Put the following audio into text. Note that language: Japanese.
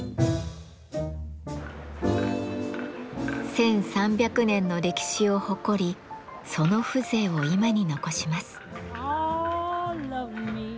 １，３００年の歴史を誇りその風情を今に残します。